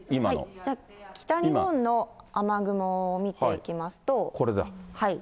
じゃあ北日本の雨雲を見ていこれだ。